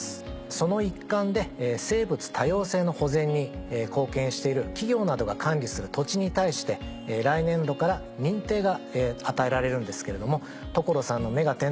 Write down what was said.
その一環で生物多様性の保全に貢献している企業などが管理する土地に対して来年度から認定が与えられるんですけれども『所さんの目がテン！』